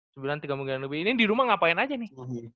sembilan tiga bulan lebih ini di rumah ngapain aja nih